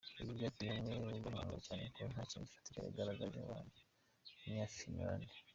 Ibi byatumye bamwe bamwanga cyane ko ntakintu gifatika yagaragarije abanya Finland.